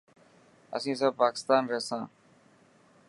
اسين سب پاڪستان رهيسان.